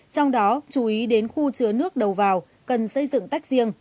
trong đó chú ý đến khu chứa nước đầu vào cần xây dựng tách riêng